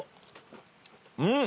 うん！